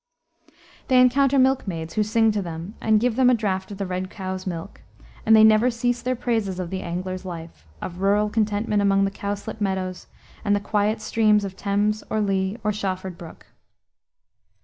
They encounter milkmaids, who sing to them and give them a draft of the red cow's milk, and they never cease their praises of the angler's life, of rural contentment among the cowslip meadows, and the quiet streams of Thames, or Lea, or Shawford Brook.